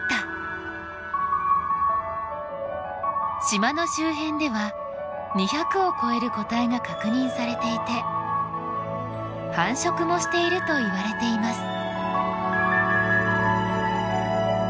島の周辺では２００を超える個体が確認されていて繁殖もしているといわれています。